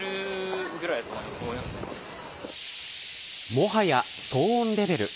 もはや騒音レベル。